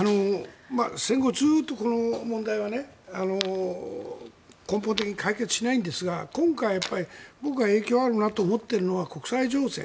戦後ずっとこの問題は根本的に解決しないんですが今回、僕が影響あるなと思っているのは国際情勢。